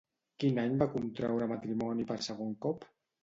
Quin any va contraure matrimoni per segon cop?